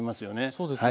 そうですね。